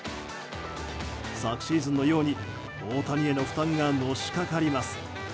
昨シーズンのように大谷への負担がのしかかります。